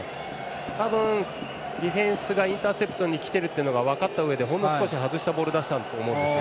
多分、ディフェンスがインターセプトに来ているのが分かったところでほんの少し外したボールを出したと思うんですよ。